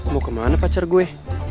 mau kemana pacar gue